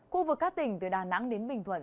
khu vực các tỉnh từ đà nẵng đến bình thuận